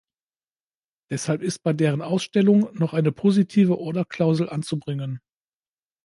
Deshalb ist bei deren Ausstellung noch eine positive Orderklausel anzubringen.